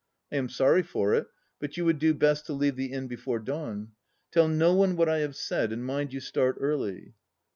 I am sorry for it, but you would do best to leave the Inn before dawn. Tell no one what I have said, and mind you start early.